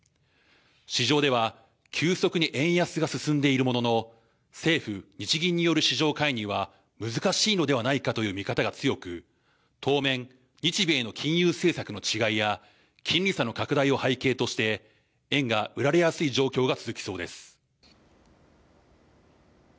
市場では急速に円安が進んでいるものの政府、日銀による市場介入は難しいのではないかという見方が強く当面、日米の金融政策の違いや金利差の拡大を背景として円が売られやすい状況が続きそうです。